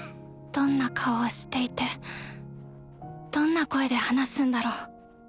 どんな顔をしていてどんな声で話すんだろう？